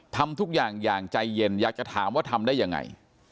ทำทุกอย่างอย่างใจเย็นอยากจะถามว่าทำได้ยังไง